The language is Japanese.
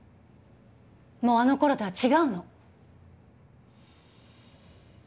もうあの頃とは違うの。